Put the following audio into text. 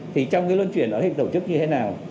thì trong cái luân chuyển đó hình tổ chức như thế nào